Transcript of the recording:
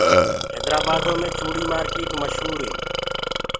هيدرآ بآدو مي چوڙي مآرڪيٽ مشور هي۔